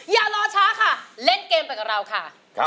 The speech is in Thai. อย่ารอช้าค่ะเล่นเกมไปกับเราค่ะ